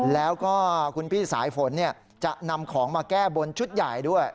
แล้วก็คุณพี่สายฝนจะนำของมาแก้บนชุดใหญ่ด้วย